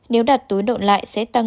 nếu đặt túi độn lại sẽ tăng